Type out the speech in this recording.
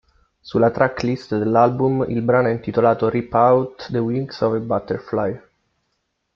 Sulla tracklist dell'album il brano è intitolato Rip Out the Wings of a Butterfly.